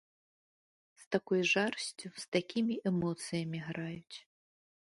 З такой жарсцю, з такімі эмоцыямі граюць.